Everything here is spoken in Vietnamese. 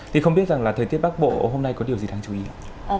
thì không biết rằng là thời tiết bắc bộ hôm nay có điều gì đáng chú ý ạ